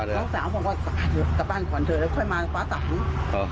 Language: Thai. น้องสาวบอกว่าเดี๋ยวกลับบ้านก่อนเถอะแล้วค่อยมาฟ้าสาง